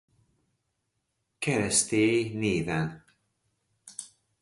Keresztély néven.